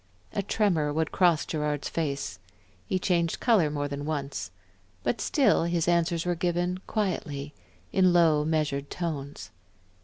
A tremor would cross Gerard's face, he changed color more than once. But still his answers were given quietly, in low, measured tones.